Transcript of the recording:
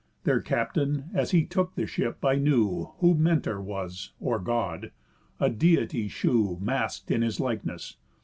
Their captain, as he took the ship, I knew, Who Mentor was, or God. A Deity's shew Mask'd in his likeness.